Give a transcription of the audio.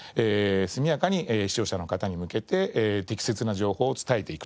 速やかに視聴者の方に向けて適切な情報を伝えていくと。